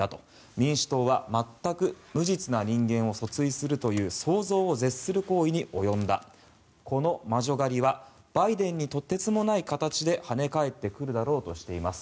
民主党は全く無実な人間を訴追するという想像を絶する行為に及んだこの魔女狩りはバイデンにとてつもない形で跳ね返ってくるだろうとしています。